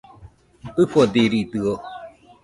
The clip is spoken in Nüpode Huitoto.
ɨfodiridɨo